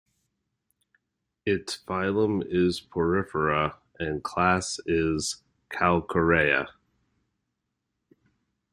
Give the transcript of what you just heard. Its Phylum is Porifera and Class is Calcarea.